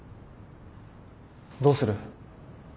どうする？